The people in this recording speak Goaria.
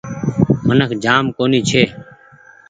منک جآم ڪونيٚ ڇي۔